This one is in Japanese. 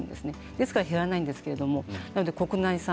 ですから減らないんですけど国内産